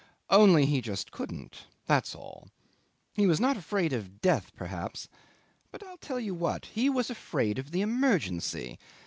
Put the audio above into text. only he just couldn't that's all. He was not afraid of death perhaps, but I'll tell you what, he was afraid of the emergency.